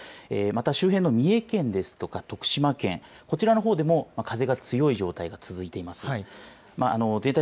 また周辺の三重県ですとか徳島県こちらの方でも風が強い状態が続いています。